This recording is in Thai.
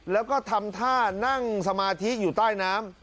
แล้วก็ทำท่านั่งสมาธิอยู่ใต้น้ำ